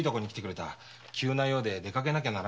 急な用ででかけなきゃならねえんだ。